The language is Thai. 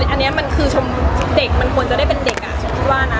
อันนี้มันคือชมเด็กมันควรจะได้เป็นเด็กอ่ะฉันคิดว่านะ